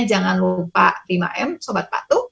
jangan lupa lima m sobat patuh